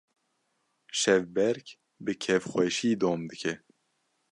Şevbêrk bi kêfxweşî dom dike.